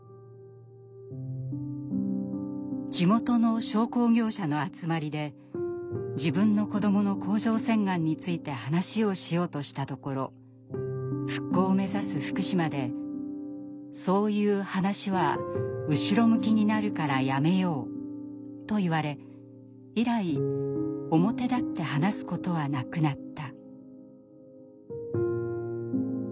地元の商工業者の集まりで自分の子どもの甲状腺がんについて話をしようとしたところ復興を目指す福島でと言われ以来表立って話すことはなくなった。